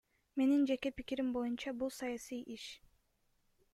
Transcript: Менин жеке пикирим боюнча, бул саясий иш.